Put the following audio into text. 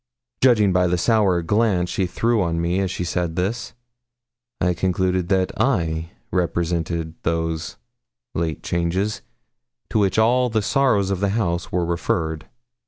Judging by the sour glance she threw on me as she said this, I concluded that I represented those 'late changes' to which all the sorrows of the house were referred.